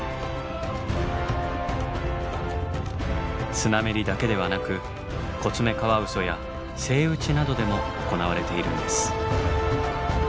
スナメリだけではなくコツメカワウソやセイウチなどでも行われているんです。